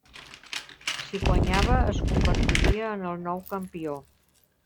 Si guanyava, es convertiria en el nou campió.